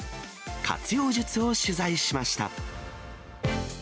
活用術を取材しました。